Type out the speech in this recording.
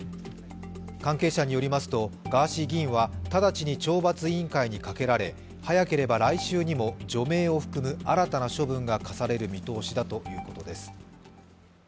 関係者によりますと、ガーシー議員は直ちに懲罰委員会にかけられ早ければ来週にも除名を含む新たな処分が科される見通しだということです。